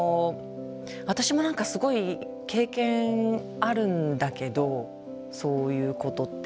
私も何かすごい経験あるんだけどそういうことって。